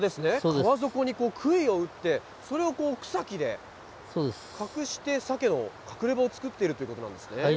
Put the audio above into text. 川底にくいを打って、それを草木で隠して、サケの隠れ場を作っているということなんですね。